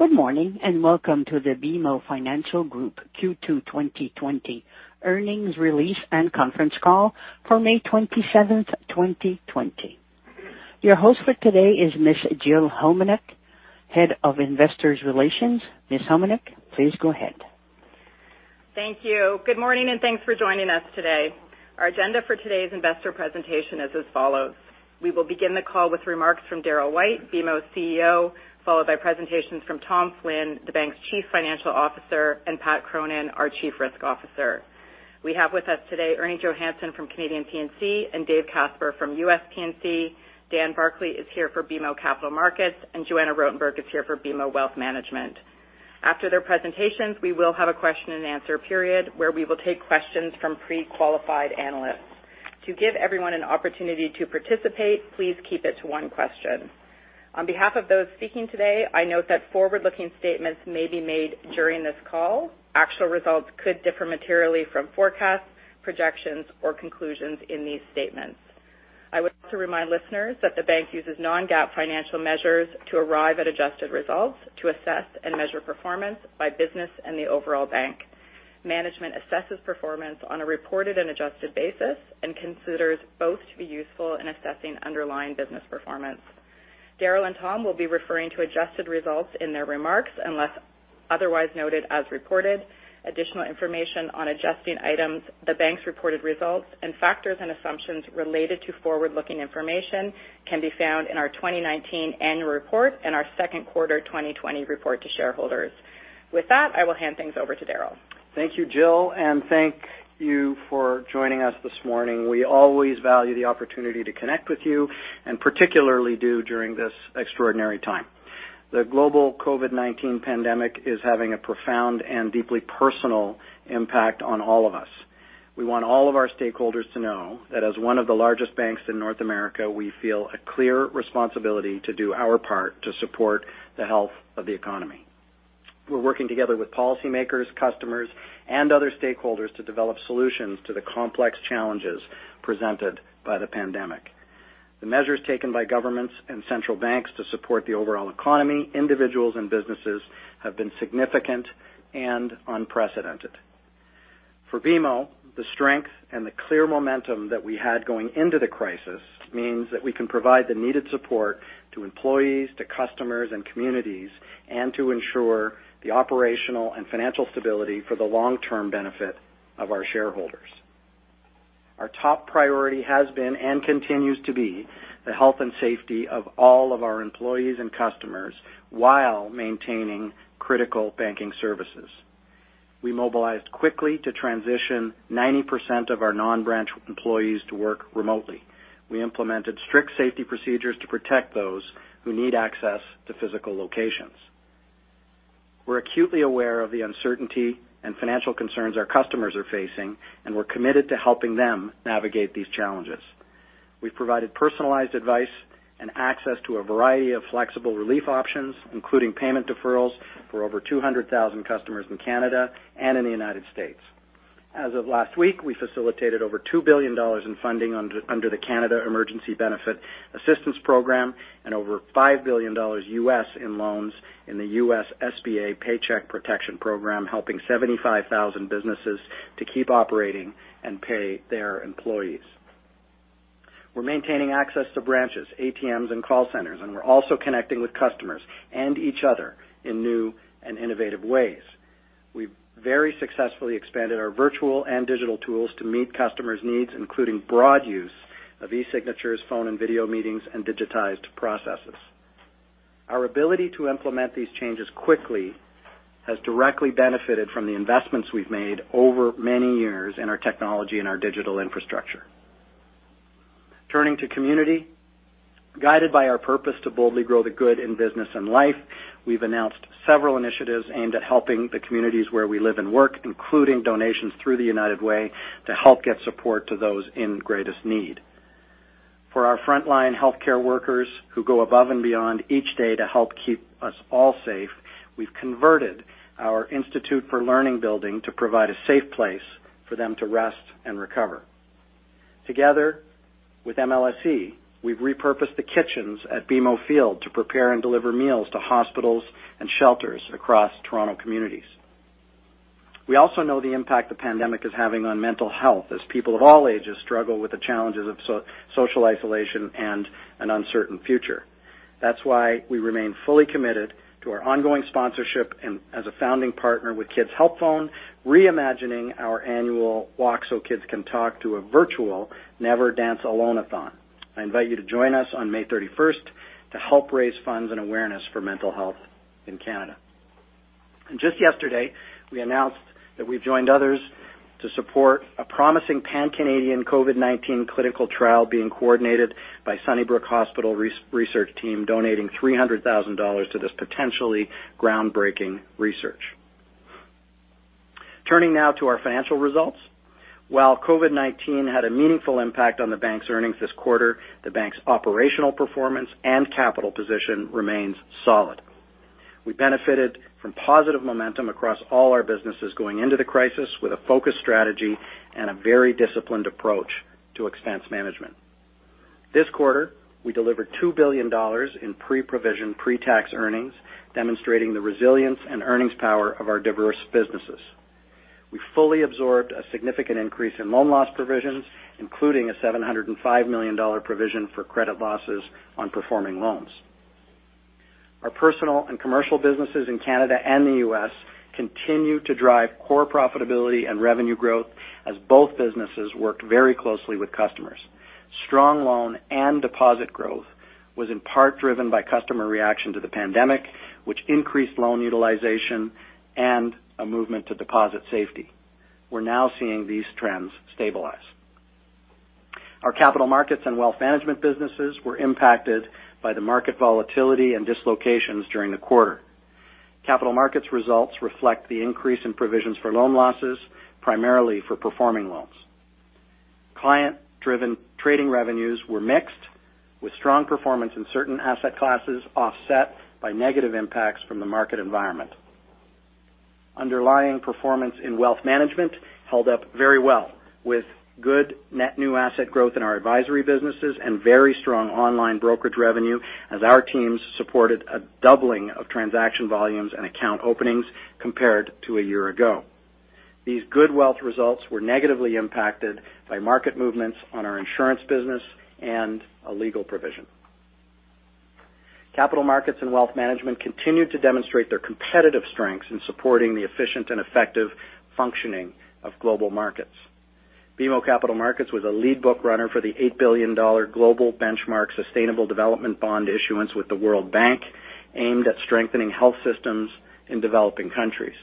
Good morning. Welcome to the BMO Financial Group Q2 2020 Earnings Release and Conference Call for May 27th, 2020. Your host for today is Ms. Jill Homenuk, Head of Investor Relations. Ms. Homenuk, please go ahead. Thank you. Good morning, and thanks for joining us today. Our agenda for today's investor presentation is as follows: We will begin the call with remarks from Darryl White, BMO's CEO, followed by presentations from Tom Flynn, the bank's Chief Financial Officer, and Pat Cronin, our Chief Risk Officer. We have with us today, Ernie Johannson from Canadian P&C, and Dave Casper from U.S. P&C. Dan Barclay is here for BMO Capital Markets, and Joanna Rotenberg is here for BMO Wealth Management. After their presentations, we will have a question-and-answer period, where we will take questions from pre-qualified analysts. To give everyone an opportunity to participate, please keep it to one question. On behalf of those speaking today, I note that forward-looking statements may be made during this call. Actual results could differ materially from forecasts, projections, or conclusions in these statements. I would like to remind listeners that the bank uses non-GAAP financial measures to arrive at adjusted results to assess and measure performance by business and the overall bank. Management assesses performance on a reported and adjusted basis and considers both to be useful in assessing underlying business performance. Darryl and Tom will be referring to adjusted results in their remarks, unless otherwise noted as reported. Additional information on adjusting items, the bank's reported results, and factors and assumptions related to forward-looking information can be found in our 2019 Annual Report and our Second Quarter 2020 Report to Shareholders. With that, I will hand things over to Darryl. Thank you, Jill, and thank you for joining us this morning. We always value the opportunity to connect with you, and particularly do during this extraordinary time. The global COVID-19 Pandemic is having a profound and deeply personal impact on all of us. We want all of our stakeholders to know that as one of the largest banks in North America, we feel a clear responsibility to do our part to support the health of the economy. We're working together with policymakers, customers, and other stakeholders to develop solutions to the complex challenges presented by the pandemic. The measures taken by Governments and Central Banks to support the overall economy, individuals, and businesses have been significant and unprecedented. For BMO, the strength and the clear momentum that we had going into the crisis means that we can provide the needed support to employees, to customers, and communities, and to ensure the operational and financial stability for the long-term benefit of our shareholders. Our top priority has been, and continues to be, the health and safety of all of our employees and customers while maintaining critical banking services. We mobilized quickly to transition 90% of our non-branch employees to work remotely. We implemented strict safety procedures to protect those who need access to physical locations. We're acutely aware of the uncertainty and financial concerns our customers are facing, and we're committed to helping them navigate these challenges. We've provided personalized advice and access to a variety of flexible relief options, including payment deferrals for over 200,000 customers in Canada and in the United States. As of last week, we facilitated over 2 billion dollars in funding under the Canada Emergency Benefit Assistance Program and over $5 billion in loans in the U.S. SBA Paycheck Protection Program, helping 75,000 businesses to keep operating and pay their employees. We're maintaining access to branches, ATMs, and call centers, and we're also connecting with customers and each other in new and innovative ways. We've very successfully expanded our virtual and digital tools to meet customers' needs, including broad use of e-signatures, phone and video meetings, and digitized processes. Our ability to implement these changes quickly has directly benefited from the investments we've made over many years in our technology and our digital infrastructure. Turning to community, guided by our purpose to boldly grow the good in business and life, we've announced several initiatives aimed at helping the communities where we live and work, including donations through the United Way to help get support to those in greatest need. For our frontline healthcare workers who go above and beyond each day to help keep us all safe, we've converted our Institute for Learning building to provide a safe place for them to rest and recover. Together with MLSE, we've repurposed the kitchens at BMO Field to prepare and deliver meals to hospitals and shelters across Toronto communities. We also know the impact the pandemic is having on mental health as people of all ages struggle with the challenges of social isolation and an uncertain future. That's why we remain fully committed to our ongoing sponsorship and as a founding partner with Kids Help Phone, reimagining our annual Walk So Kids Can Talk to a virtual Never Dance Alone-a-thon. I invite you to join us on May 31st to help raise funds and awareness for Mental Health in Canada. Just yesterday, we announced that we've joined others to support a promising pan-Canadian COVID-19 clinical trial being coordinated by Sunnybrook Hospital research team, donating 300,000 dollars to this potentially groundbreaking research. Turning now to our financial results. While COVID-19 had a meaningful impact on the bank's earnings this quarter, the bank's operational performance and capital position remains solid. We benefited from positive momentum across all our businesses going into the crisis with a focused strategy and a very disciplined approach to expense management. This quarter, we delivered 2 billion dollars in pre-provision pre-tax earnings, demonstrating the resilience and earnings power of our diverse businesses. We fully absorbed a significant increase in loan loss provisions, including a 705 million dollar provision for credit losses on performing loans. Our Personal and Commercial Businesses in Canada and the U.S. continue to drive core profitability and revenue growth as both businesses worked very closely with customers. Strong loan and deposit growth was in part driven by customer reaction to the pandemic, which increased loan utilization and a movement to deposit safety. We're now seeing these trends stabilize. Our Capital Markets and Wealth Management Businesses were impacted by the market volatility and dislocations during the quarter. Capital Markets results reflect the increase in provisions for loan losses, primarily for performing loans. Client-driven trading revenues were mixed, with strong performance in certain asset classes, offset by negative impacts from the market environment. Underlying performance in wealth management held up very well, with good net new asset growth in our advisory businesses and very strong online brokerage revenue, as our teams supported a doubling of transaction volumes and account openings compared to a year ago. These good wealth results were negatively impacted by market movements on our insurance business and a legal provision. Capital Markets and Wealth Management continued to demonstrate their competitive strengths in supporting the efficient and effective functioning of global markets. BMO Capital Markets was a lead book runner for the 8 billion dollar Global Benchmark Sustainable Development Bond issuance with the World Bank, aimed at strengthening health systems in developing countries.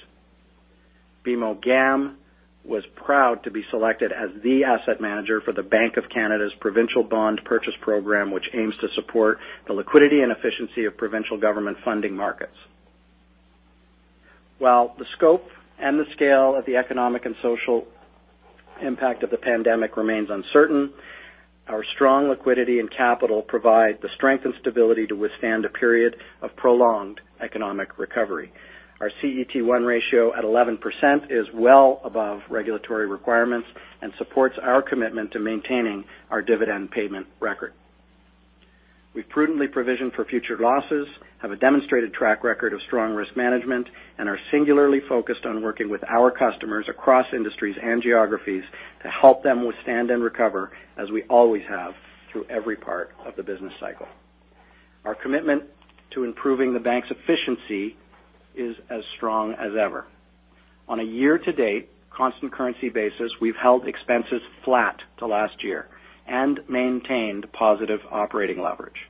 BMO GAM was proud to be selected as the asset manager for the Bank of Canada's Provincial Bond Purchase Program, which aims to support the liquidity and efficiency of provincial government funding markets. While the scope and the scale of the economic and social impact of the pandemic remains uncertain, our strong liquidity and capital provide the strength and stability to withstand a period of prolonged economic recovery. Our CET1 ratio at 11% is well above regulatory requirements and supports our commitment to maintaining our dividend payment record. We've prudently provisioned for future losses, have a demonstrated track record of strong risk management, and are singularly focused on working with our customers across industries and geographies to help them withstand and recover, as we always have, through every part of the business cycle. Our commitment to improving the bank's efficiency is as strong as ever. On a year-to-date, constant currency basis, we've held expenses flat to last year and maintained positive operating leverage.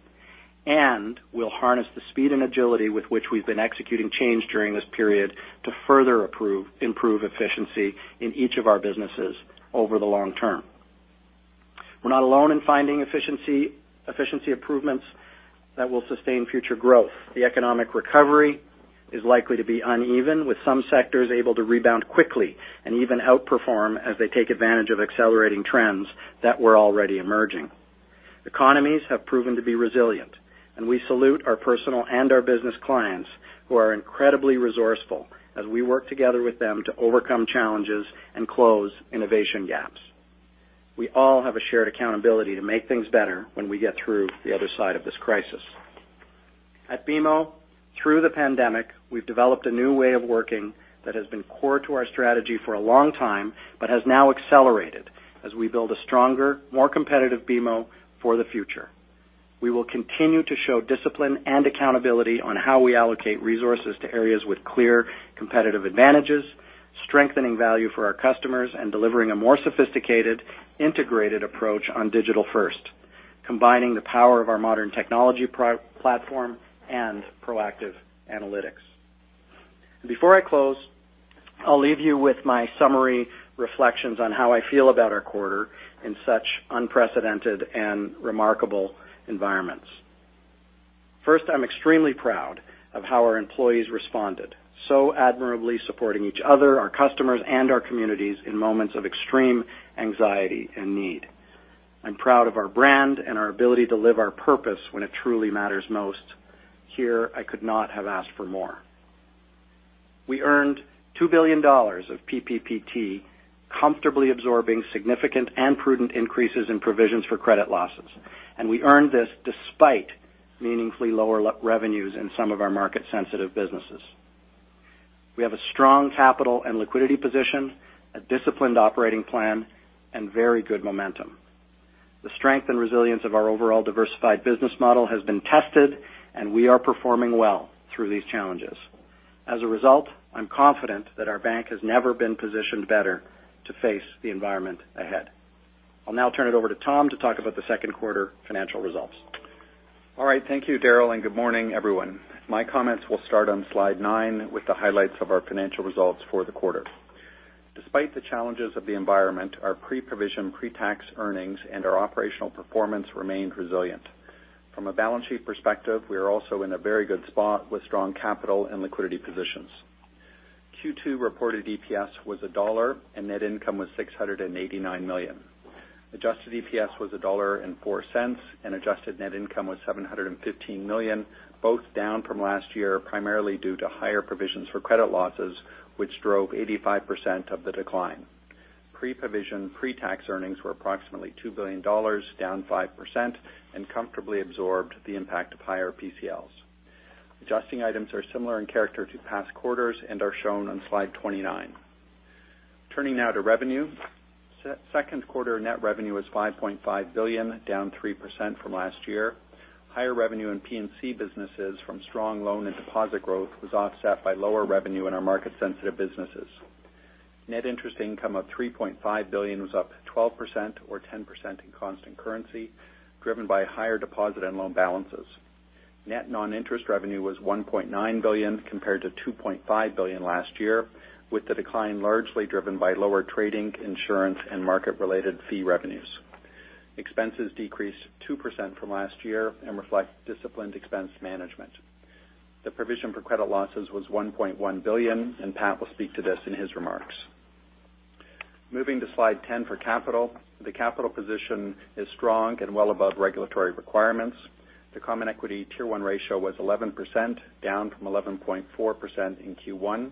We'll harness the speed and agility with which we've been executing change during this period to further improve efficiency in each of our businesses over the long term. We're not alone in finding efficiency improvements that will sustain future growth. The economic recovery is likely to be uneven, with some sectors able to rebound quickly and even outperform as they take advantage of accelerating trends that were already emerging. Economies have proven to be resilient, we salute our personal and our business clients who are incredibly resourceful as we work together with them to overcome challenges and close innovation gaps. We all have a shared accountability to make things better when we get through the other side of this crisis. At BMO, through the pandemic, we've developed a new way of working that has been core to our strategy for a long time, but has now accelerated as we build a stronger, more competitive BMO for the future. We will continue to show discipline and accountability on how we allocate resources to areas with clear competitive advantages, strengthening value for our customers, and delivering a more sophisticated, integrated approach on digital-first, combining the power of our modern technology platform and proactive analytics. Before I close, I'll leave you with my summary reflections on how I feel about our quarter in such unprecedented and remarkable environments. First, I'm extremely proud of how our employees responded so admirably, supporting each other, our customers, and our communities in moments of extreme anxiety and need. I'm proud of our brand and our ability to live our purpose when it truly matters most. Here, I could not have asked for more. We earned 2 billion dollars of PPPT, comfortably absorbing significant and prudent increases in provisions for credit losses. We earned this despite meaningfully lower revenues in some of our market-sensitive businesses. We have a strong capital and liquidity position, a disciplined operating plan, and very good momentum. The strength and resilience of our overall diversified business model has been tested. We are performing well through these challenges. As a result, I'm confident that our bank has never been positioned better to face the environment ahead. I'll now turn it over to Tom to talk about the second quarter financial results. All right. Thank you, Darryl, and good morning, everyone. My comments will start on slide nine with the highlights of our financial results for the quarter. Despite the challenges of the environment, our pre-provision pre-tax earnings and our operational performance remained resilient. From a balance sheet perspective, we are also in a very good spot with strong capital and liquidity positions. Q2 reported EPS was $1 and net income was $689 million. Adjusted EPS was $1.04, and Adjusted Net Income was $715 million, both down from last year, primarily due to higher provisions for credit losses, which drove 85% of the decline. Pre-provision pre-tax earnings were approximately $2 billion, down 5%, and comfortably absorbed the impact of higher PCLs. Adjusting items are similar in character to past quarters and are shown on slide 29. Turning now to revenue. Second quarter Net Revenue is 5.5 billion, down 3% from last year. Higher revenue in P&C businesses from strong loan and deposit growth was offset by lower revenue in our market sensitive businesses. Net interest income of 3.5 billion was up 12% or 10% in constant currency, driven by higher deposit and loan balances. Net non-interest revenue was CAD 1.9 billion compared to CAD 2.5 billion last year, with the decline largely driven by lower trading, insurance, and market-related fee revenues. Expenses decreased 2% from last year and reflect disciplined expense management. The provision for credit losses was 1.1 billion, and Pat will speak to this in his remarks. Moving to slide 10 for capital. The capital position is strong and well above regulatory requirements. The Common Equity Tier 1 ratio was 11%, down from 11.4% in Q1.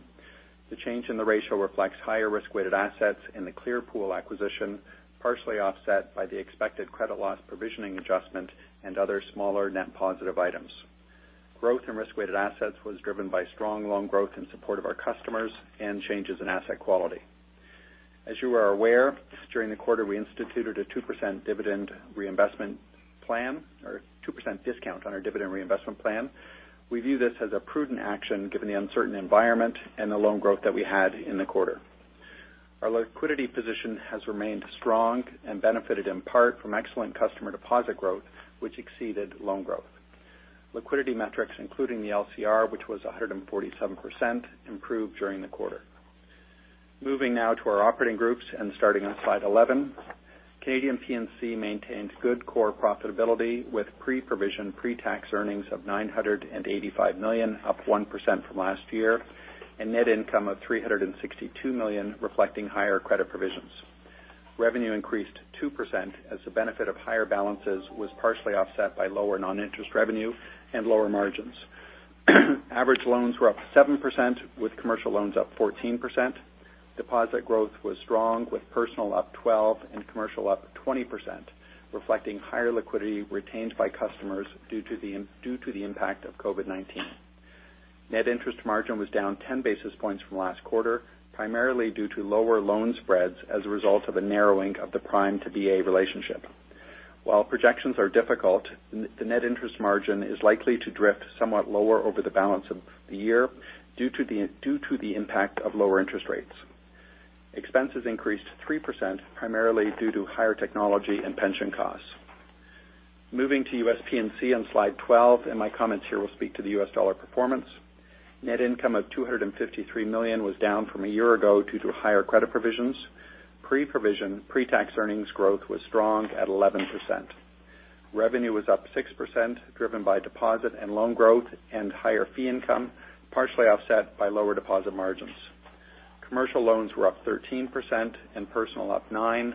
The change in the ratio reflects higher risk-weighted assets in the Clearpool acquisition, partially offset by the expected credit loss provisioning adjustment and other smaller net positive items. Growth and risk-weighted assets was driven by strong loan growth in support of our customers and changes in asset quality. As you are aware, during the quarter, we instituted a 2% Dividend Reinvestment Plan or 2% discount on our Dividend Reinvestment Plan. We view this as a prudent action given the uncertain environment and the loan growth that we had in the quarter. Our liquidity position has remained strong and benefited in part from excellent customer deposit growth, which exceeded loan growth. Liquidity metrics, including the LCR, which was 147%, improved during the quarter. Moving now to our operating groups and starting on slide 11. Canadian P&C maintained good core profitability with pre-provision pre-tax earnings of 985 million, up 1% from last year, and net income of 362 million, reflecting higher credit provisions. Revenue increased 2% as the benefit of higher balances was partially offset by lower non-interest revenue and lower margins. Average Loans were up 7%, with Commercial Loans up 14%. Deposit growth was strong, with Personal up 12% and Commercial up 20%, reflecting higher liquidity retained by customers due to the impact of COVID-19. Net interest margin was down 10 basis points from last quarter, primarily due to lower loan spreads as a result of a narrowing of the Prime to BA relationship. While projections are difficult, the net interest margin is likely to drift somewhat lower over the balance of the year due to the impact of lower interest rates. Expenses increased 3%, primarily due to higher technology and pension costs. Moving to U.S. P&C on slide 12. My comments here will speak to the US dollar performance. Net income of $253 million was down from a year ago due to higher credit provisions. Pre-provision, pre-tax earnings growth was strong at 11%. Revenue was up 6%, driven by deposit and loan growth and higher fee income, partially offset by lower deposit margins. Commercial loans were up 13% and Personal up 9%.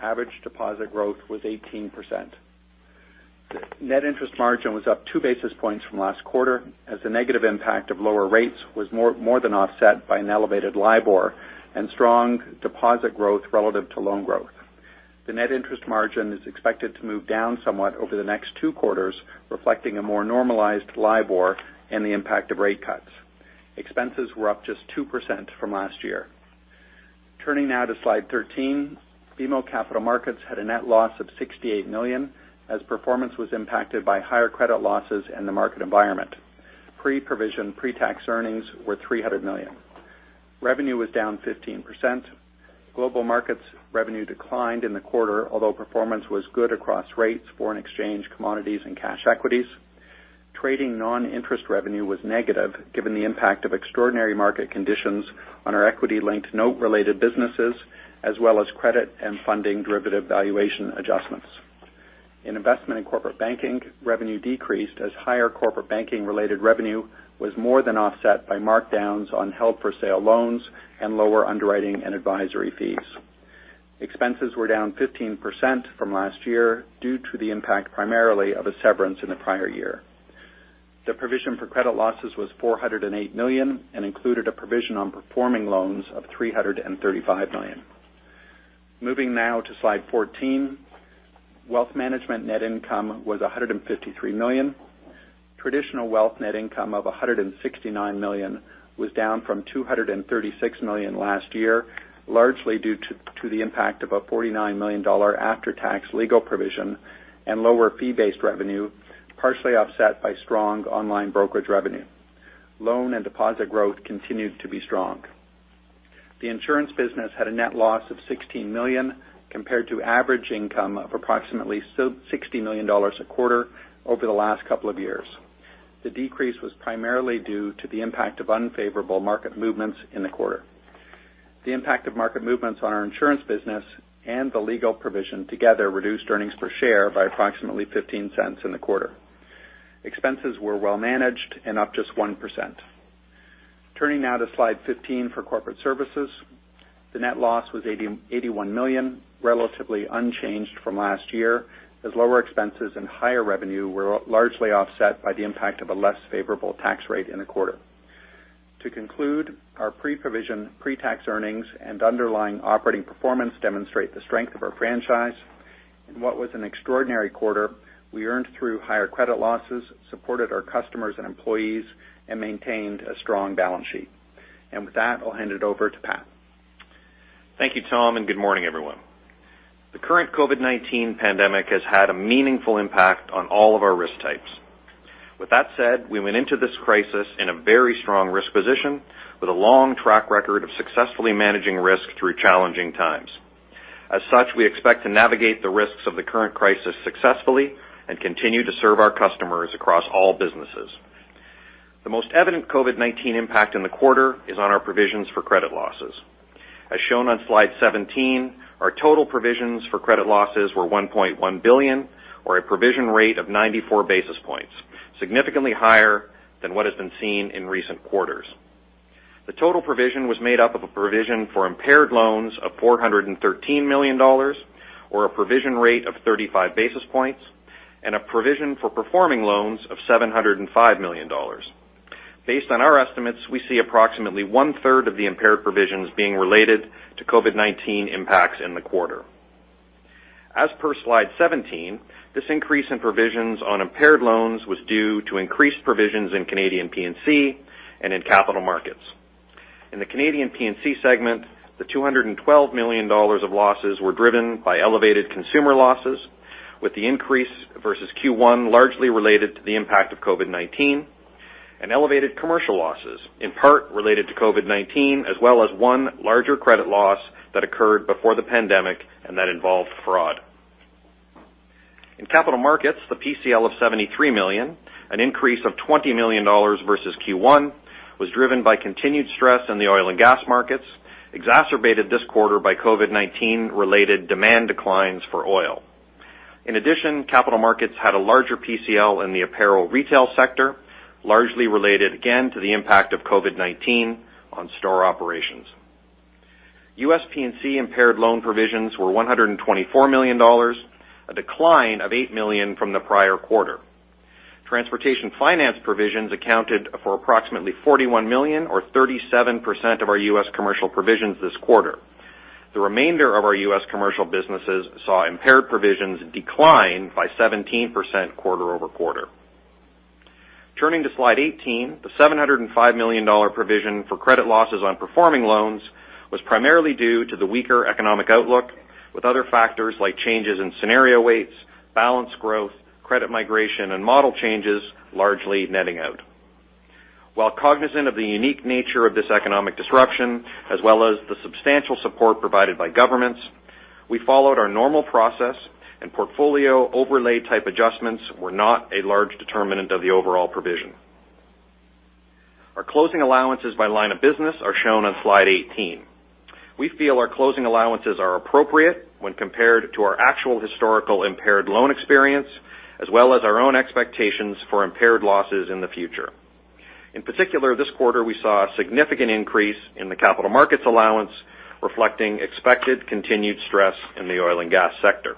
Average deposit growth was 18%. Net interest margin was up 2 basis points from last quarter, as the negative impact of lower rates was more than offset by an elevated LIBOR and strong deposit growth relative to loan growth. The net interest margin is expected to move down somewhat over the next two quarters, reflecting a more normalized LIBOR and the impact of rate cuts. Expenses were up just 2% from last year. Turning now to slide 13. BMO Capital Markets had a net loss of 68 million, as performance was impacted by higher credit losses and the market environment. Pre-provision pre-tax earnings were 300 million. Revenue was down 15%. Global markets revenue declined in the quarter, although performance was good across rates, foreign exchange, commodities and cash equities. Trading non-interest revenue was negative, given the impact of extraordinary market conditions on our equity-linked note related businesses, as well as credit and funding derivative valuation adjustments. In investment and corporate banking, revenue decreased as higher corporate banking-related revenue was more than offset by markdowns on held-for-sale loans and lower underwriting and advisory fees. Expenses were down 15% from last year due to the impact primarily of a severance in the prior year. The provision for credit losses was 408 million and included a provision on performing loans of 335 million. Moving now to slide 14. Wealth Management net income was 153 million. Traditional Wealth Net income of 169 million was down from 236 million last year, largely due to the impact of a 49 million dollar after-tax legal provision and lower fee-based revenue, partially offset by strong online brokerage revenue. Loan and deposit growth continued to be strong. The Insurance business had a net loss of 16 million compared to average income of approximately 60 million dollars a quarter over the last couple of years. The decrease was primarily due to the impact of unfavorable market movements in the quarter. The impact of market movements on our insurance business and the legal provision together reduced earnings per share by approximately 0.15 in the quarter. Expenses were well managed and up just 1%. Turning now to slide 15 for corporate services. The net loss was 81 million, relatively unchanged from last year, as lower expenses and higher revenue were largely offset by the impact of a less favorable tax rate in the quarter. To conclude, our pre-provision pre-tax earnings and underlying operating performance demonstrate the strength of our franchise. In what was an extraordinary quarter, we earned through higher credit losses, supported our customers and employees, and maintained a strong balance sheet. With that, I'll hand it over to Pat. Thank you, Tom. Good morning, everyone. The current COVID-19 Pandemic has had a meaningful impact on all of our risk types. With that said, we went into this crisis in a very strong risk position, with a long track record of successfully managing risk through challenging times. As such, we expect to navigate the risks of the current crisis successfully and continue to serve our customers across all businesses. The most evident COVID-19 impact in the quarter is on our provisions for credit losses. As shown on slide 17, our total provisions for credit losses were 1.1 billion, or a provision rate of 94 basis points, significantly higher than what has been seen in recent quarters. The total provision was made up of a provision for impaired loans of 413 million dollars, or a provision rate of 35 basis points, and a provision for performing loans of 705 million dollars. Based on our estimates, we see approximately 1/3 of the impaired provisions being related to COVID-19 impacts in the quarter. As per slide 17, this increase in provisions on impaired loans was due to increased provisions in Canadian P&C and in Capital Markets. In the Canadian P&C segment, the 212 million dollars of losses were driven by elevated consumer losses, with the increase versus Q1 largely related to the impact of COVID-19, and elevated commercial losses, in part related to COVID-19, as well as one larger credit loss that occurred before the pandemic and that involved fraud. In Capital Markets, the PCL of 73 million, an increase of 20 million dollars versus Q1, was driven by continued stress in the oil and gas markets, exacerbated this quarter by COVID-19 related demand declines for oil. In addition, Capital Markets had a larger PCL in the apparel retail sector, largely related, again, to the impact of COVID-19 on store operations. U.S. P&C Impaired Loan provisions were $124 million, a decline of $8 million from the prior quarter. Transportation finance provisions accounted for approximately $41 million, or 37% of our U.S. commercial provisions this quarter. The remainder of our U.S. commercial businesses saw impaired provisions decline by 17% quarter-over-quarter. Turning to slide 18, the 705 million dollar provision for credit losses on performing loans was primarily due to the weaker economic outlook, with other factors like changes in scenario weights, balance growth, credit migration, and model changes, largely netting out. While cognizant of the unique nature of this economic disruption, as well as the substantial support provided by governments, we followed our normal process, and portfolio overlay type adjustments were not a large determinant of the overall provision. Our closing allowances by line of business are shown on slide 18. We feel our closing allowances are appropriate when compared to our actual historical impaired loan experience, as well as our own expectations for impaired losses in the future. In particular, this quarter, we saw a significant increase in the Capital Markets allowance, reflecting expected continued stress in the oil and gas sector.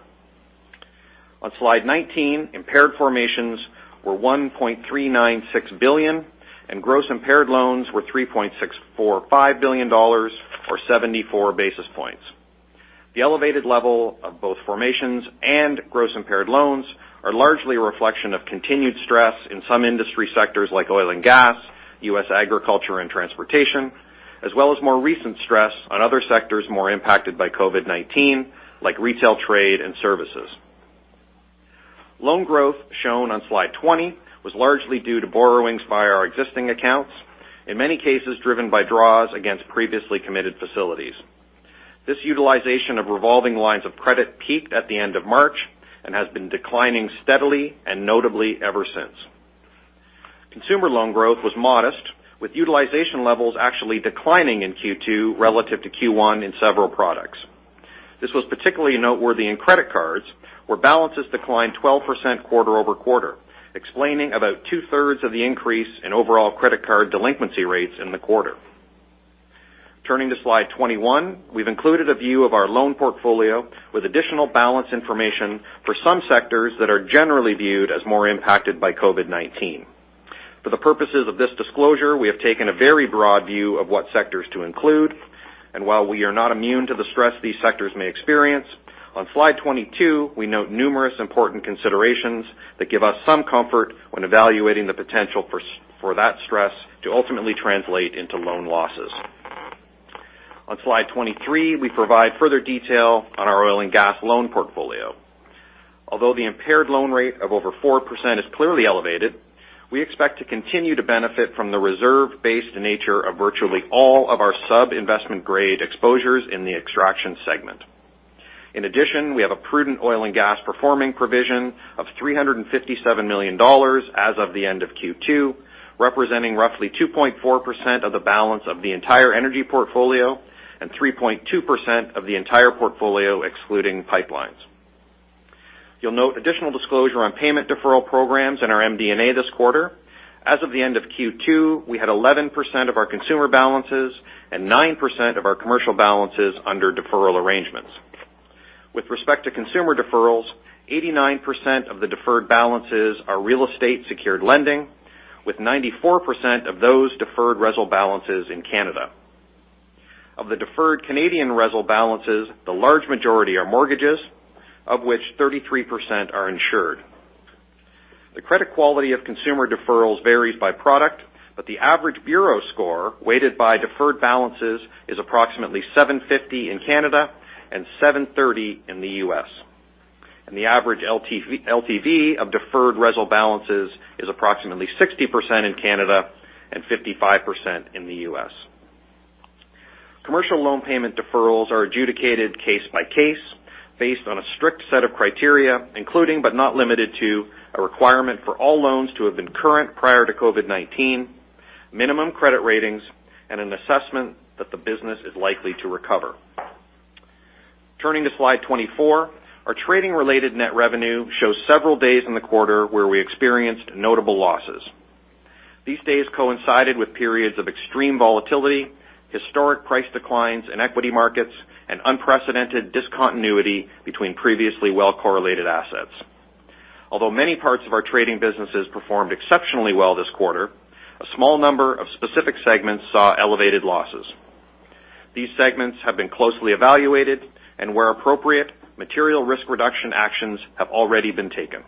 On slide 19, impaired formations were $1.396 billion, and gross impaired loans were $3.645 billion, or 74 basis points. The elevated level of both formations and gross impaired loans are largely a reflection of continued stress in some industry sectors like oil and gas, U.S. agriculture and transportation, as well as more recent stress on other sectors more impacted by COVID-19, like retail, trade, and services. Loan growth, shown on slide 20, was largely due to borrowings by our existing accounts, in many cases driven by draws against previously committed facilities. This utilization of revolving lines of credit peaked at the end of March and has been declining steadily and notably ever since. Consumer loan growth was modest, with utilization levels actually declining in Q2 relative to Q1 in several products. This was particularly noteworthy in credit cards, where balances declined 12% quarter-over-quarter, explaining about 2/3 of the increase in overall credit card delinquency rates in the quarter. Turning to slide 21, we've included a view of our loan portfolio with additional balance information for some sectors that are generally viewed as more impacted by COVID-19. For the purposes of this disclosure, we have taken a very broad view of what sectors to include, and while we are not immune to the stress these sectors may experience, on slide 22, we note numerous important considerations that give us some comfort when evaluating the potential for that stress to ultimately translate into loan losses. On slide 23, we provide further detail on our oil and gas loan portfolio. Although the impaired loan rate of over 4% is clearly elevated, we expect to continue to benefit from the reserve-based nature of virtually all of our sub-investment grade exposures in the extraction segment. In addition, we have a prudent oil and gas performing provision of 357 million dollars as of the end of Q2, representing roughly 2.4% of the balance of the entire energy portfolio and 3.2% of the entire portfolio, excluding pipelines. You'll note additional disclosure on payment deferral programs in our MD&A this quarter. As of the end of Q2, we had 11% of our Consumer Balances and 9% of our Commercial Balances under deferral arrangements. With respect to consumer deferrals, 89% of the deferred balances are Real Estate Secured Lending, with 94% of those deferred RESL balances in Canada. Of the deferred Canadian RESL balances, the large majority are Mortgages, of which 33% are insured. The credit quality of consumer deferrals varies by product, the average bureau score, weighted by deferred balances, is approximately 750 in Canada and 730 in the U.S. The average LTV of deferred RESL balances is approximately 60% in Canada and 55% in the U.S. Commercial loan payment deferrals are adjudicated case by case based on a strict set of criteria, including, but not limited to, a requirement for all loans to have been current prior to COVID-19, minimum credit ratings, and an assessment that the business is likely to recover. Turning to slide 24, our trading-related net revenue shows several days in the quarter where we experienced notable losses. These days coincided with periods of extreme volatility, historic price declines in equity markets, and unprecedented discontinuity between previously well-correlated assets. Although many parts of our trading businesses performed exceptionally well this quarter, a small number of specific segments saw elevated losses. These segments have been closely evaluated, and where appropriate, material risk reduction actions have already been taken.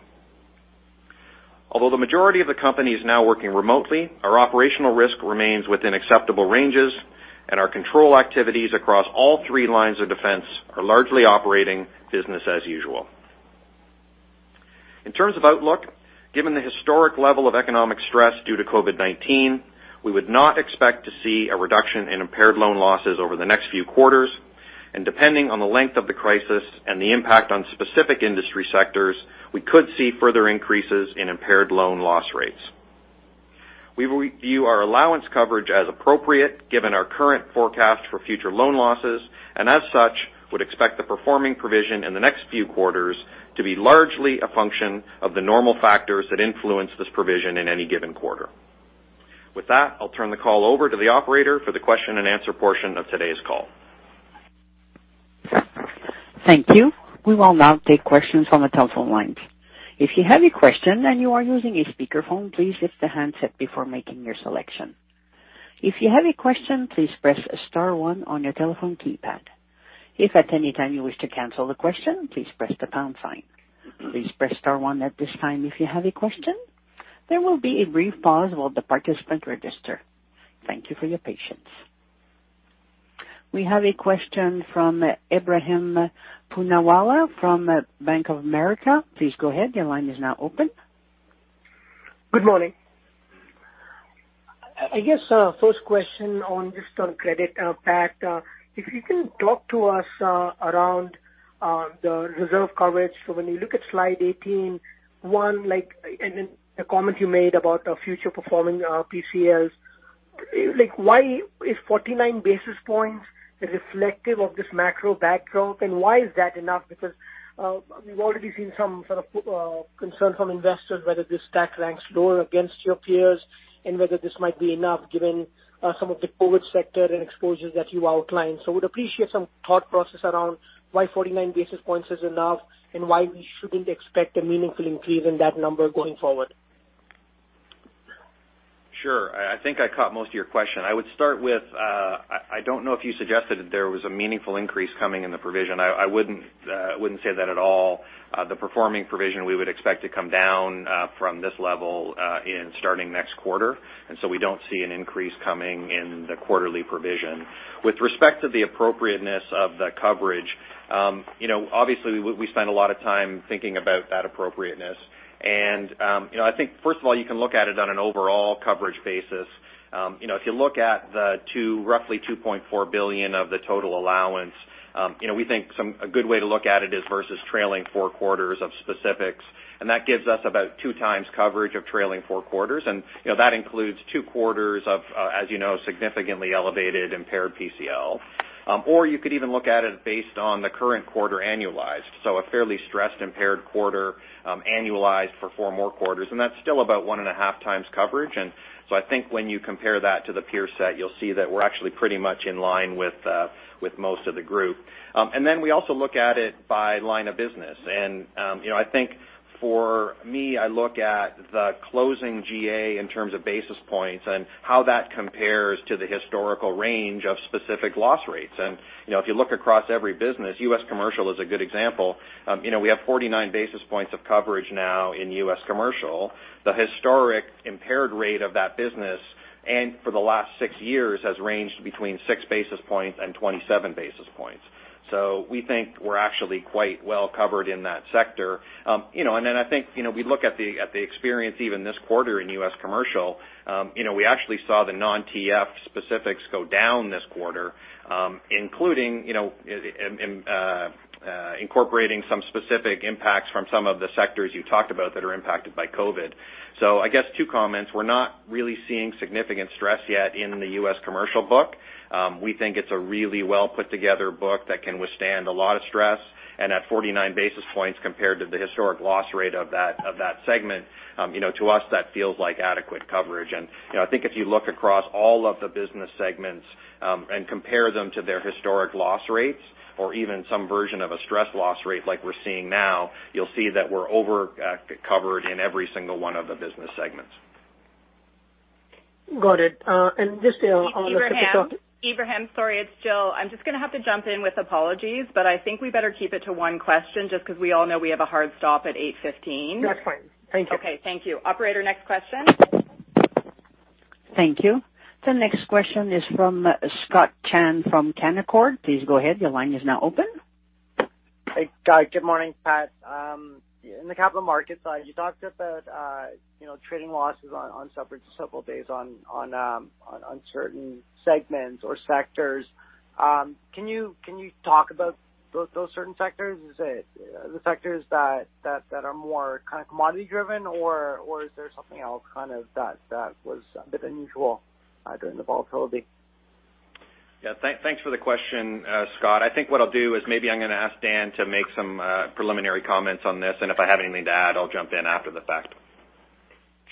Although the majority of the company is now working remotely, our operational risk remains within acceptable ranges, and our control activities across all three lines of defense are largely operating business as usual. In terms of outlook, given the historic level of economic stress due to COVID-19, we would not expect to see a reduction in impaired loan losses over the next few quarters, and depending on the length of the crisis and the impact on specific industry sectors, we could see further increases in impaired loan loss rates. We review our allowance coverage as appropriate, given our current forecast for future loan losses. As such, would expect the performing provision in the next few quarters to be largely a function of the normal factors that influence this provision in any given quarter. With that, I'll turn the call over to the operator for the question-and-answer portion of today's call. Thank you. We will now take questions from the telephone lines. If you have a question and you are using a speakerphone, please lift the handset before making your selection. If you have a question, please press star one on your telephone keypad. If at any time you wish to cancel the question, please press the pound sign. Please press star one at this time if you have a question. There will be a brief pause while the participant register. Thank you for your patience. We have a question from Ebrahim Poonawala from Bank of America. Please go ahead. Your line is now open. Good morning. I guess, first question on, just on credit, Pat, if you can talk to us around the reserve coverage. When you look at slide 18, one, like, and then the comment you made about the future performing, PCLs, like, why is 49 basis points reflective of this macro backdrop, and why is that enough? We've already seen some sort of concern from investors whether this stack ranks lower against your peers and whether this might be enough given some of the COVID sector and exposures that you outlined. Would appreciate some thought process around why 49 basis points is enough and why we shouldn't expect a meaningful increase in that number going forward. Sure. I think I caught most of your question. I would start with, I don't know if you suggested that there was a meaningful increase coming in the provision. I wouldn't say that at all. The performing provision, we would expect to come down from this level, in starting next quarter. We don't see an increase coming in the quarterly provision. With respect to the appropriateness of the coverage, you know, obviously, we spend a lot of time thinking about that appropriateness. You know, I think, first of all, you can look at it on an overall coverage basis. You know, if you look at the two, roughly 2.4 billion of the total allowance, you know, we think a good way to look at it is versus trailing four quarters of specifics, and that gives us about 2x coverage of trailing four quarters. You know, that includes two quarters of, as you know, significantly elevated impaired PCL. Or you could even look at it based on the current quarter annualized, so a fairly stressed, impaired quarter, annualized for four more quarters, and that's still about 1.5x coverage. I think when you compare that to the peer set, you'll see that we're actually pretty much in line with most of the group. Then we also look at it by line of business. You know, I think for me, I look at the closing GA in terms of basis points and how that compares to the historical range of specific loss rates. You know, if you look across every business, U.S. commercial is a good example. You know, we have 49 basis points of coverage now in U.S. commercial. The historic impaired rate of that business, and for the last six years, has ranged between 6 basis points and 27 basis points. We think we're actually quite well covered in that sector. Yyou know, I think, you know, we look at the, at the experience even this quarter in U.S. commercial, you know, we actually saw the non-TF specifics go down this quarter, including, you know, in, incorporating some specific impacts from some of the sectors you talked about that are impacted by COVID-19. I guess two comments. We're not really seeing significant stress yet in the U.S. commercial book. We think it's a really well put together book that can withstand a lot of stress. At 49 basis points compared to the historic loss rate of that, of that segment, you know, to us, that feels like adequate coverage. You know, I think if you look across all of the business segments, and compare them to their historic loss rates, or even some version of a stress loss rate like we're seeing now, you'll see that we're over covered in every single one of the business segments. Got it. Ebrahim, sorry, it's Jill. I'm just gonna have to jump in with apologies, but I think we better keep it to one question just because we all know we have a hard stop at 8:15. That's fine. Thank you. Okay, thank you. Operator, next question. Thank you. The next question is from Scott Chan from Canaccord. Please go ahead. Your line is now open. Hey, guys. Good morning, Pat. In the Capital Markets side, you talked about, you know, trading losses on separate several days on certain segments or sectors. Can you talk about those certain sectors? Is it the sectors that are more kind of commodity driven, or is there something else kind of that was a bit unusual during the volatility? Thanks for the question, Scott. I think what I'll do is maybe I'm going to ask Dan to make some preliminary comments on this, and if I have anything to add, I'll jump in after the fact.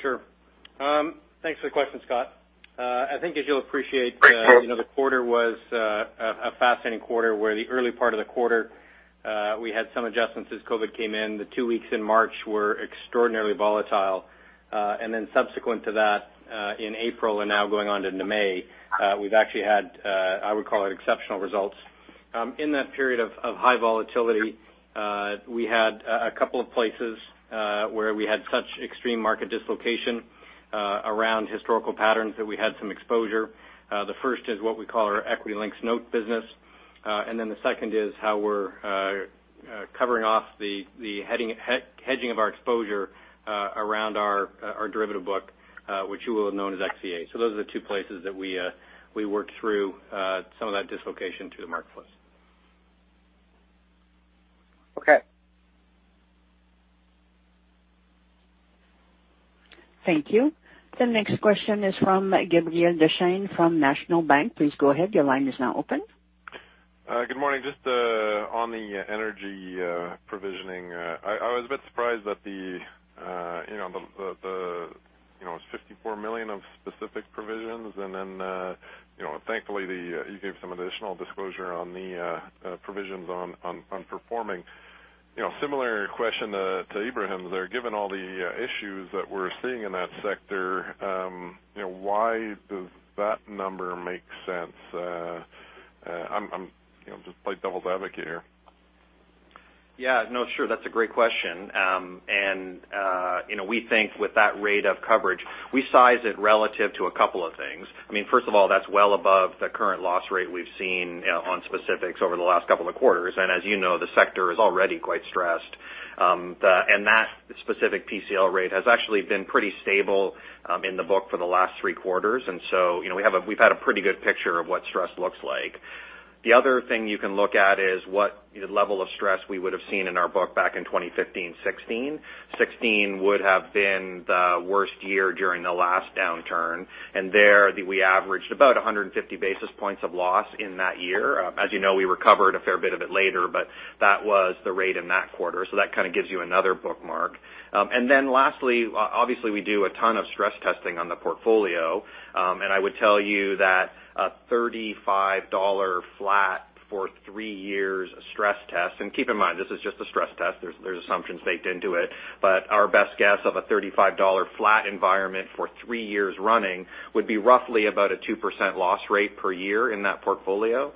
Sure. Thanks for the question, Scott. I think as you'll appreciate, you know, the quarter was a fascinating quarter, where the early part of the quarter, we had some adjustments as COVID came in. The two weeks in March were extraordinarily volatile. Subsequent to that, in April and now going on into May, we've actually had, I would call it exceptional results. In that period of high volatility, we had a couple of places where we had such extreme market dislocation around historical patterns that we had some exposure. The first is what we call our equity-linked note business. The second is how we're covering off the hedging of our exposure around our derivative book, which you will have known as XCA. Those are the two places that we worked through some of that dislocation to the marketplace. Okay. Thank you. The next question is from Gabriel Dechaine from National Bank. Please go ahead. Your line is now open. Good morning. Just on the energy provisioning, I was a bit surprised that the, you know, the, the, you know, 54 million of specific provisions, and then, you know, thankfully, the, you gave some additional disclosure on the provisions on performing. You know, similar question to Ebrahim there. Given all the issues that we're seeing in that sector, you know, why does that number make sense? I'm, you know, just play devil's advocate here. Yeah. No, sure. That's a great question. You know, we think with that rate of coverage, we size it relative to a couple of things. I mean, first of all, that's well above the current loss rate we've seen on specifics over the last couple of quarters. As you know, the sector is already quite stressed. That specific PCL rate has actually been pretty stable in the book for the last three quarters. So, you know, we've had a pretty good picture of what stress looks like. The other thing you can look at is what the level of stress we would have seen in our book back in 2015, 2016. 2016 would have been the worst year during the last downturn, and there, we averaged about 150 basis points of loss in that year. As you know, we recovered a fair bit of it later, but that was the rate in that quarter. That kind of gives you another bookmark. Lastly, obviously, we do a ton of stress testing on the portfolio. And I would tell you that a $35 flat for three years stress test, and keep in mind, this is just a stress test, there's assumptions baked into it. But our best guess of a $35 flat environment for three years running would be roughly about a 2% loss rate per year in that portfolio.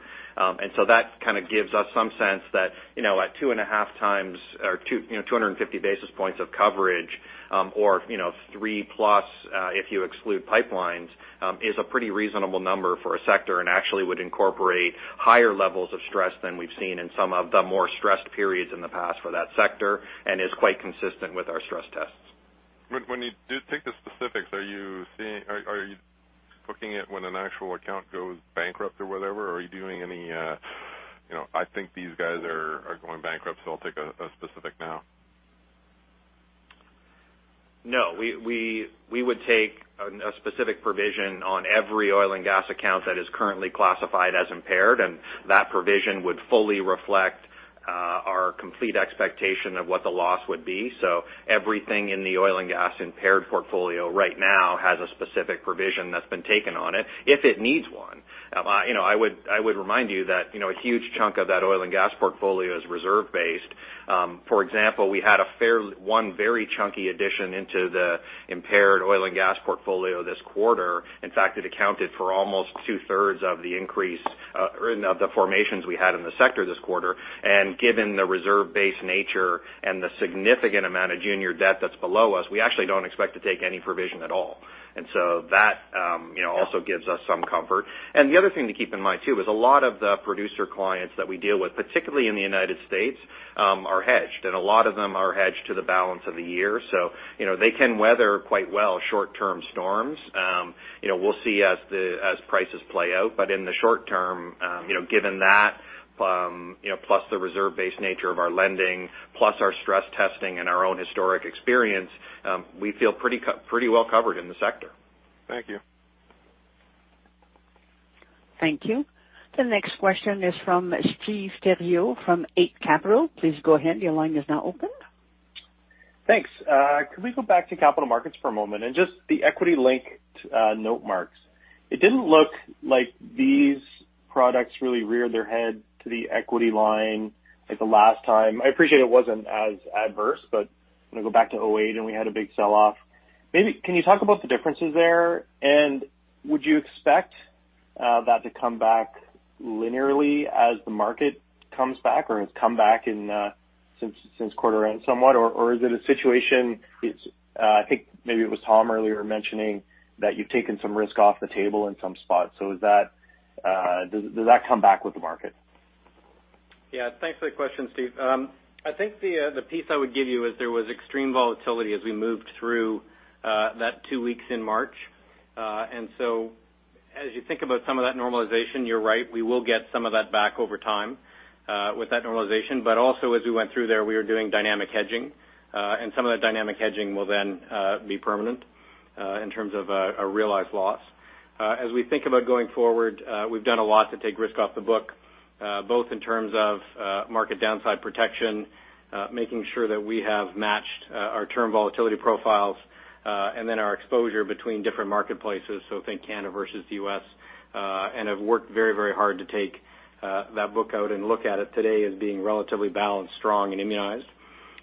That kind of gives us some sense that, you know, at 2.5x or 2, you know, 250 basis points of coverage, or, you know, 3+, if you exclude pipelines, is a pretty reasonable number for a sector and actually would incorporate higher levels of stress than we've seen in some of the more stressed periods in the past for that sector, and is quite consistent with our stress tests. When you do take the specifics, are you looking at when an actual account goes bankrupt or whatever? Are you doing any, you know, I think these guys are going bankrupt, so I'll take a specific now. No, we would take a specific provision on every oil and gas account that is currently classified as impaired, and that provision would fully reflect our complete expectation of what the loss would be. Everything in the Oil and Gas Impaired Portfolio right now has a specific provision that's been taken on it, if it needs one. You know, I would remind you that, you know, a huge chunk of that oil and gas portfolio is reserve-based. For example, we had a one very chunky addition into the Impaired Oil and Gas Portfolio this quarter. In fact, it accounted for almost 2/3 of the increase in the formations we had in the sector this quarter. Given the reserve-based nature and the significant amount of junior debt that's below us, we actually don't expect to take any provision at all. That, you know, also gives us some comfort. The other thing to keep in mind, too, is a lot of the producer clients that we deal with, particularly in the United States, are hedged, and a lot of them are hedged to the balance of the year. You know, they can weather quite well short-term storms. You know, we'll see as the, as prices play out, but in the short term, you know, given that, you know, plus the reserve-based nature of our lending, plus our stress testing and our own historic experience, we feel pretty well covered in the sector. Thank you. Thank you. The next question is from Stephen Theriault from Eight Capital. Please go ahead. Your line is now open. Thanks. Can we go back to Capital Markets for a moment and just the equity-linked note marks? It didn't look like these products really reared their head to the equity line like the last time. I appreciate it wasn't as adverse, but I'm going to go back to 2008 when we had a big sell-off. Maybe can you talk about the differences there, and would you expect that to come back linearly as the market comes back or has come back in since quarter end somewhat? Is it a situation, it's, I think maybe it was Tom earlier mentioning that you've taken some risk off the table in some spots. Is that does that come back with the market? Yeah, thanks for the question, Steve. I think the piece I would give you is there was extreme volatility as we moved through that two weeks in March. As you think about some of that normalization, you're right, we will get some of that back over time with that normalization. Also, as we went through there, we were doing dynamic hedging. Some of that dynamic hedging will then be permanent in terms of a realized loss. As we think about going forward, we've done a lot to take risk off the book, both in terms of market downside protection, making sure that we have matched our term volatility profiles, and then our exposure between different marketplaces, so think Canada versus the U.S. Have worked very, very hard to take that book out and look at it today as being relatively balanced, strong and immunized.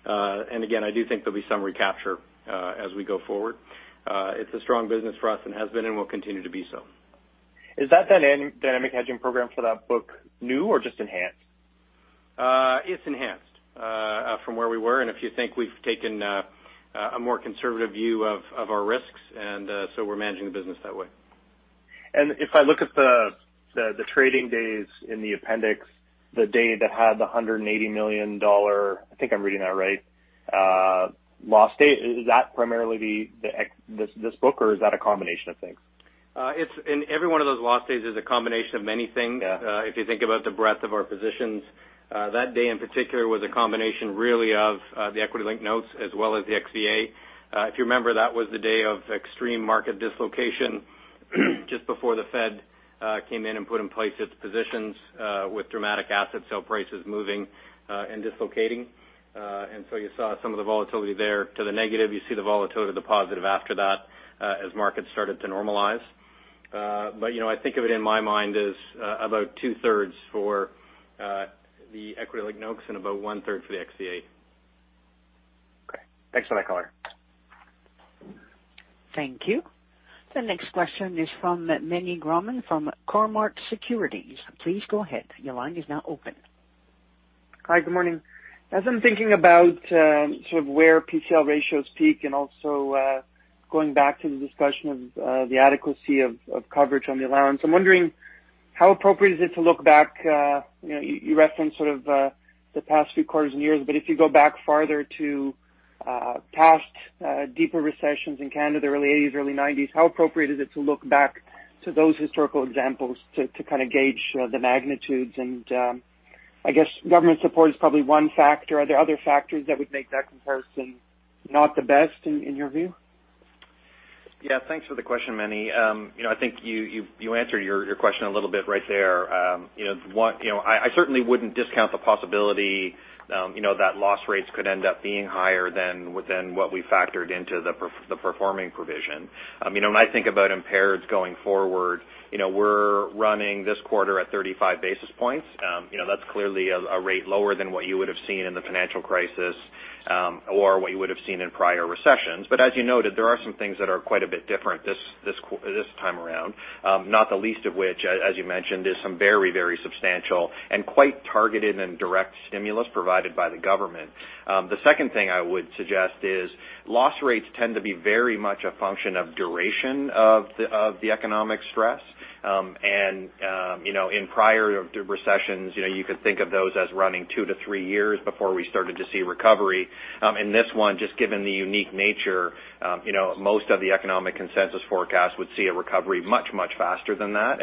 Again, I do think there'll be some recapture as we go forward. It's a strong business for us and has been, and will continue to be so. Is that then an dynamic hedging program for that book new or just enhanced? It's enhanced, from where we were, and if you think we've taken, a more conservative view of our risks, and, so we're managing the business that way. If I look at the trading days in the appendix, the day that had the $180 million CAD, I think I'm reading that right, loss day. Is that primarily this book or is that a combination of things? It's in every one of those loss days is a combination of many things. Yeah. If you think about the breadth of our positions, that day in particular was a combination really of the equity-linked notes as well as the XVA. If you remember, that was the day of extreme market dislocation, just before the Fed came in and put in place its positions, with dramatic asset sale prices moving and dislocating. You saw some of the volatility there to the negative. You see the volatility to the positive after that, as markets started to normalize. You know, I think of it in my mind as about two-thirds for the equity-linked notes and about one-third for the XVA. Okay, thanks for that color. Thank you. The next question is from Meny Grauman from Cormark Securities. Please go ahead. Your line is now open. Hi, good morning. As I'm thinking about, sort of where PCL ratios peak and also, going back to the discussion of the adequacy of coverage on the allowance. I'm wondering, how appropriate is it to look back, you know, you referenced sort of, the past few quarters and years, but if you go back farther to past deeper recessions in Canada, the early eighties, early nineties. How appropriate is it to look back to those historical examples to kind of gauge the magnitudes? I guess government support is probably one factor. Are there other factors that would make that comparison not the best in your view? Yeah, thanks for the question, Meny. you know, I think you answered your question a little bit right there. you know, one, I certainly wouldn't discount the possibility, you know, that loss rates could end up being higher than within what we factored into the performing provision. I mean, when I think about impaired going forward, you know, we're running this quarter at 35 basis points. you know, that's clearly a rate lower than what you would have seen in the financial crisis, or what you would have seen in prior recessions. As you noted, there are some things that are quite a bit different this time around, not the least of which, as you mentioned, there's some very, very substantial and quite targeted and direct stimulus provided by the government. The second thing I would suggest is loss rates tend to be very much a function of duration of the economic stress. And, you know, in prior recessions, you know, you could think of those as running two to 3 years before we started to see recovery. This one, just given the unique nature, you know, most of the economic consensus forecasts would see a recovery much, much faster than that.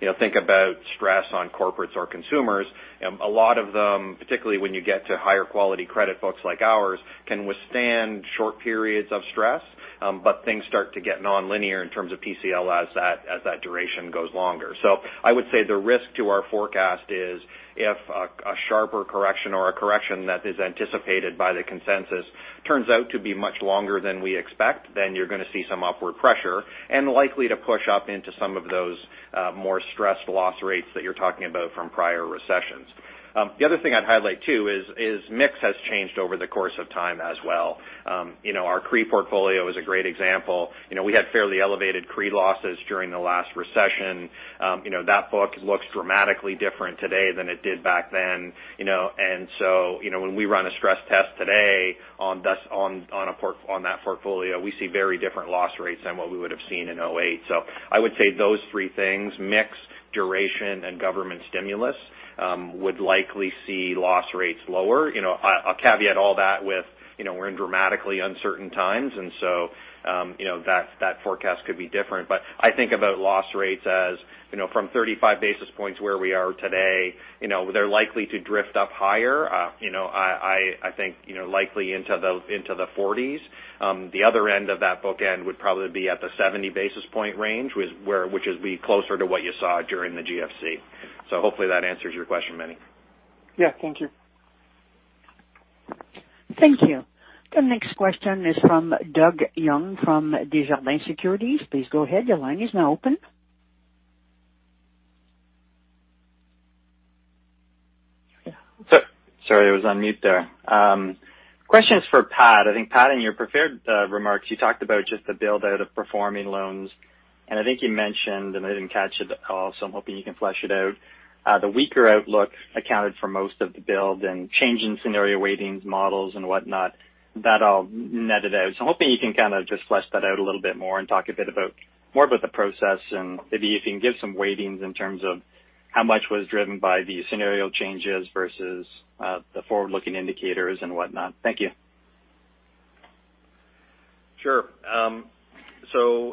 You know, think about stress on corporates or consumers, a lot of them, particularly when you get to higher quality credit books like ours, can withstand short periods of stress. Things start to get nonlinear in terms of PCL as that duration goes longer. I would say the risk to our forecast is if a sharper correction or a correction that is anticipated by the consensus turns out to be much longer than we expect, you're going to see some upward pressure and likely to push up into some of those more stressed loss rates that you're talking about from prior recessions. The other thing I'd highlight, too, is mix has changed over the course of time as well. You know, our CRE portfolio is a great example. You know, we had fairly elevated CRE losses during the last recession. You know, that book looks dramatically different today than it did back then, you know, and so, you know, when we run a stress test today on that portfolio, we see very different loss rates than what we would have seen in 2008. I would say those three things: mix, duration, and government stimulus would likely see loss rates lower. You know, I'll caveat all that with, you know, we're in dramatically uncertain times, and so, you know, that forecast could be different. I think about loss rates as, you know, from 35 basis points where we are today, you know, they're likely to drift up higher. You know, I think, you know, likely into the 40s. The other end of that bookend would probably be at the 70 basis point range, which would be closer to what you saw during the GFC. Hopefully that answers your question, Meny. Yeah. Thank you. Thank you. The next question is from Doug Young, from Desjardins Securities. Please go ahead. Your line is now open. Sorry, I was on mute there. Question is for Pat. I think, Pat, in your prepared remarks, you talked about just the build out of performing loans, and I think you mentioned, and I didn't catch it all, so I'm hoping you can flesh it out. The weaker outlook accounted for most of the build and change in scenario weightings, models, and whatnot, that all netted out. I'm hoping you can kind of just flesh that out a little bit more and talk a bit about, more about the process and maybe if you can give some weightings in terms of how much was driven by the scenario changes versus the forward-looking indicators and whatnot. Thank you. Sure.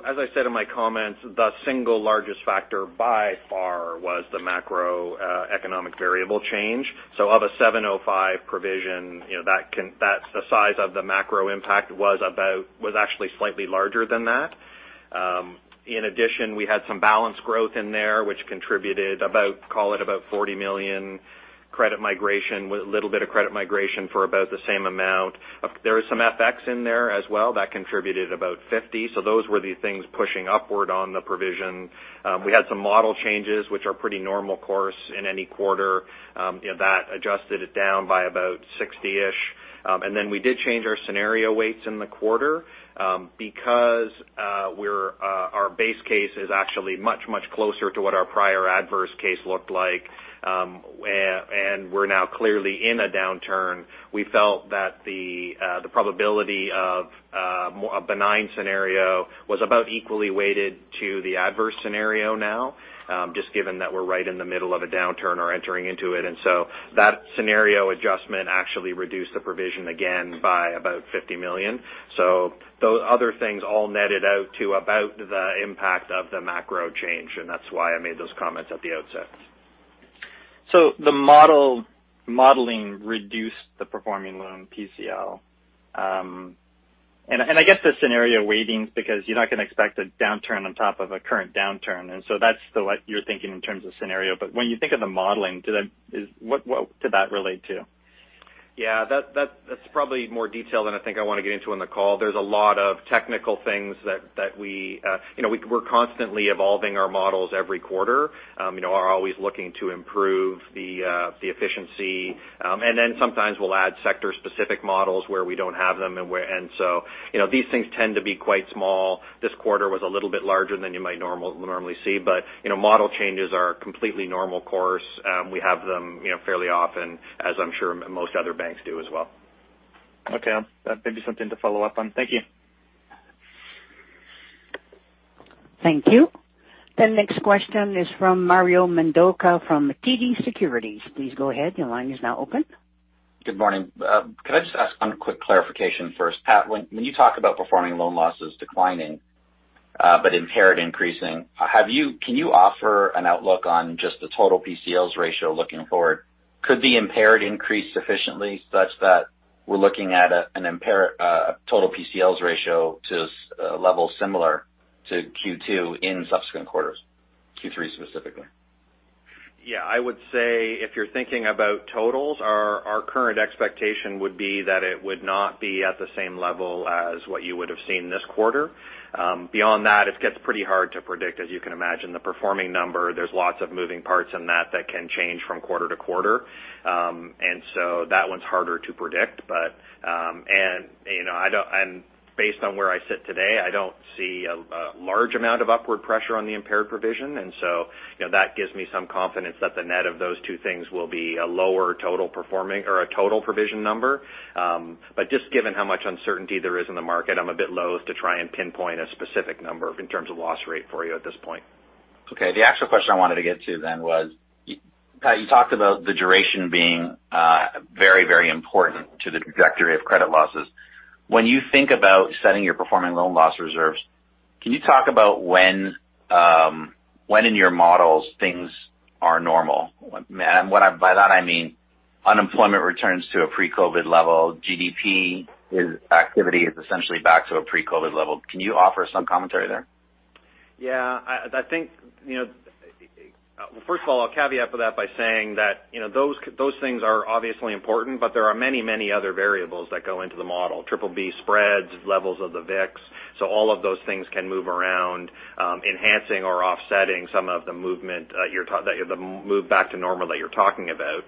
As I said in my comments, the single largest factor by far was the macro economic variable change. Of a 705 provision, you know, that's the size of the macro impact was actually slightly larger than that. In addition, we had some balance growth in there, which contributed about, call it, about 40 million credit migration, with a little bit of credit migration for about the same amount. There was some FX in there as well, that contributed about 50. Those were the things pushing upward on the provision. We had some model changes, which are pretty normal course in any quarter, you know, that adjusted it down by about 60-ish. We did change our scenario weights in the quarter, because we're our base case is actually much, much closer to what our prior adverse case looked like, and we're now clearly in a downturn. We felt that the probability of a benign scenario was about equally weighted to the adverse scenario now, just given that we're right in the middle of a downturn or entering into it. That scenario adjustment actually reduced the provision again by about 50 million. Other things all netted out to about the impact of the macro change, and that's why I made those comments at the outset. The modeling reduced the performing loan PCL. I guess, the scenario weightings, because you're not going to expect a downturn on top of a current downturn, that's you're thinking in terms of scenario. When you think of the modeling, what did that relate to? Yeah, that's probably more detail than I think I want to get into on the call. There's a lot of technical things that we, you know, we're constantly evolving our models every quarter. You know, are always looking to improve the efficiency. Sometimes we'll add sector-specific models where we don't have them and where. You know, these things tend to be quite small. This quarter was a little bit larger than you might normally see, but, you know, model changes are a completely normal course. We have them, you know, fairly often, as I'm sure most other banks do as well. That may be something to follow up on. Thank you. Thank you. The next question is from Mario Mendonca from TD Securities. Please go ahead. Your line is now open. Good morning. Could I just ask one quick clarification first? Pat, when you talk about performing loan losses declining, but impaired increasing, can you offer an outlook on just the total PCLs ratio looking forward? Could the impaired increase sufficiently such that we're looking at a total PCLs ratio to level similar to Q2 in subsequent quarters, Q3 specifically? Yeah. I would say if you're thinking about totals, our current expectation would be that it would not be at the same level as what you would have seen this quarter. Beyond that, it gets pretty hard to predict, as you can imagine. The performing number, there's lots of moving parts in that can change from quarter to quarter. That one's harder to predict, but. You know, I don't, and based on where I sit today, I don't see a large amount of upward pressure on the impaired provision. You know, that gives me some confidence that the net of those two things will be a lower total performing or a total provision number. Just given how much uncertainty there is in the market, I'm a bit loathe to try and pinpoint a specific number in terms of loss rate for you at this point. The actual question I wanted to get to then was, Pat, you talked about the duration being very, very important to the trajectory of credit losses. When you think about setting your performing loan loss reserves, can you talk about when in your models things are normal? What I by that, I mean, unemployment returns to a pre-COVID level, GDP is, activity is essentially back to a pre-COVID level. Can you offer some commentary there? Yeah. I think, you know, well, first of all, I'll caveat for that by saying that, you know, those things are obviously important, but there are many, many other variables that go into the model. BBB spreads, levels of the VIX. All of those things can move around, enhancing or offsetting some of the movement, the move back to normal that you're talking about.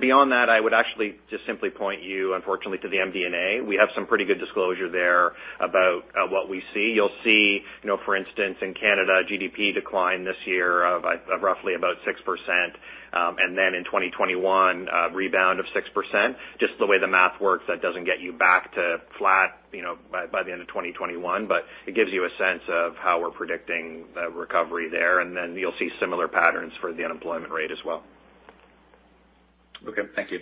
Beyond that, I would actually just simply point you, unfortunately, to the MD&A. We have some pretty good disclosure there about what we see. You'll see, you know, for instance, in Canada, GDP declined this year of roughly about 6%, in 2021, a rebound of 6%. Just the way the math works, that doesn't get you back to flat, you know, by the end of 2021, but it gives you a sense of how we're predicting the recovery there, and then you'll see similar patterns for the unemployment rate as well. Okay. Thank you.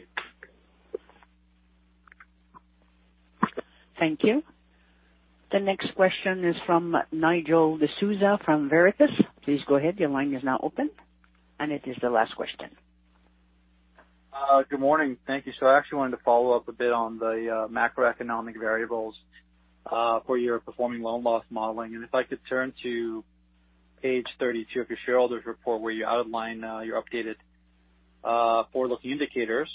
Thank you. The next question is from Nigel D'Souza from Veritas. Please go ahead. Your line is now open. It is the last question. Good morning. Thank you. I actually wanted to follow up a bit on the macroeconomic variables for your performing loan loss modeling. If I could turn to page 32 of your shareholders report, where you outline your updated forward-looking indicators.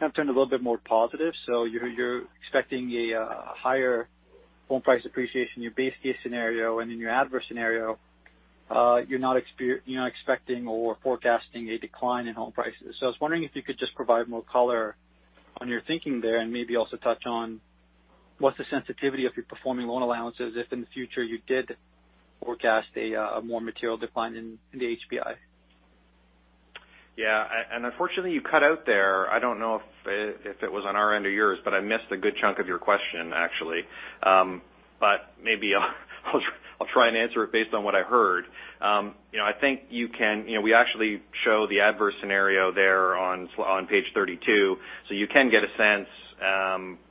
Have turned a little bit more positive, so you're expecting a higher home price appreciation in your base case scenario, and in your adverse scenario, you're not expecting or forecasting a decline in home prices. I was wondering if you could just provide more color on your thinking there, and maybe also touch on what's the sensitivity of your performing loan allowances if in the future you did forecast a more material decline in the HPI. Unfortunately, you cut out there. I don't know if it was on our end or yours, but I missed a good chunk of your question, actually. Maybe I'll try and answer it based on what I heard. You know, we actually show the adverse scenario there on page 32, so you can get a sense,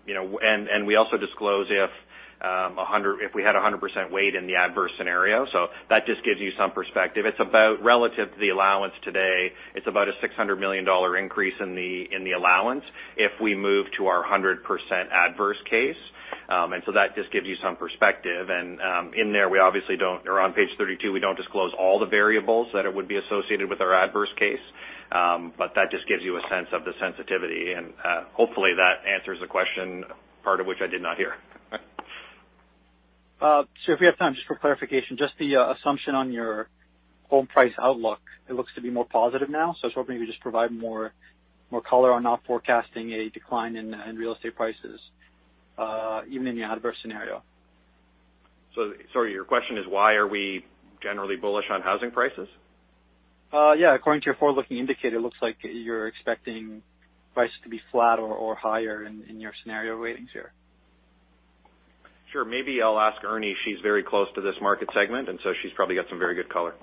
you know, and we also disclose if we had a 100% weight in the adverse scenario. That just gives you some perspective. It's about relative to the allowance today, it's about a 600 million dollar increase in the allowance if we move to our 100% adverse case. That just gives you some perspective. In there, we obviously don't or on page 32, we don't disclose all the variables that it would be associated with our adverse case. That just gives you a sense of the sensitivity, and hopefully that answers the question, part of which I did not hear. If you have time, just for clarification, just the assumption on your home price outlook, it looks to be more positive now. I was hoping you could just provide more color on not forecasting a decline in real estate prices, even in the adverse scenario. Sorry, your question is, why are we generally bullish on housing prices? Yeah, according to your forward-looking indicator, it looks like you're expecting prices to be flat or higher in your scenario ratings here. Sure. Maybe I'll ask Ernie. She's very close to this market segment. She's probably got some very good color.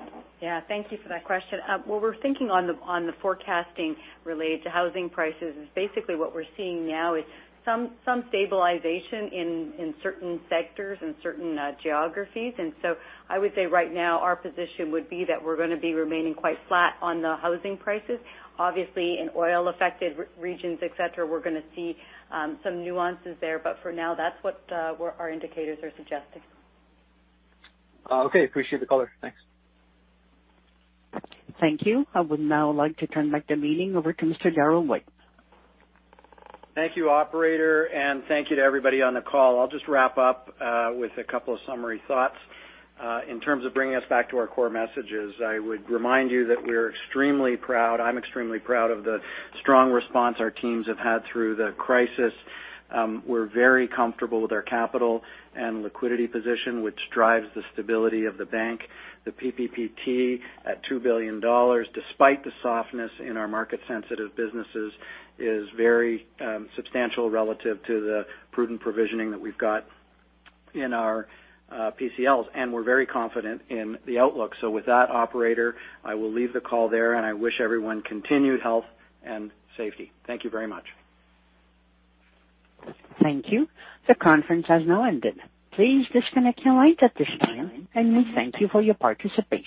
Yeah. Thank you for that question. What we're thinking on the forecasting related to housing prices is basically what we're seeing now is some stabilization in certain sectors and certain geographies. I would say right now, our position would be that we're going to be remaining quite flat on the housing prices. Obviously, in oil-affected regions, et cetera, we're going to see some nuances there, but for now, that's what where our indicators are suggesting. Okay, appreciate the color. Thanks. Thank you. I would now like to turn back the meeting over to Mr. Darryl White. Thank you, operator, and thank you to everybody on the call. I'll just wrap up with a couple of summary thoughts. In terms of bringing us back to our core messages, I would remind you that we're extremely proud. I'm extremely proud of the strong response our teams have had through the crisis. We're very comfortable with our capital and liquidity position, which drives the stability of the bank. The PPPT at 2 billion dollars, despite the softness in our market sensitive businesses, is very substantial relative to the prudent provisioning that we've got in our PCLs, and we're very confident in the outlook. With that operator, I will leave the call there, and I wish everyone continued health and safety. Thank you very much. Thank you. The conference has now ended. Please disconnect your lines at this time, and we thank you for your participation.